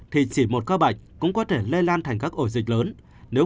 thì chỉ một ca bệnh cũng có thể lây lan thành các ổ dịch lớn